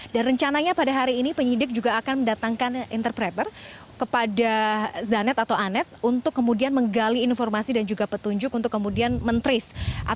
dan rencananya pada hari ini penyidik juga akan mendatangkan interpreter kepada zanet atau anet untuk kemudian menggali informasi dan juga petunjuk untuk kemudian mentris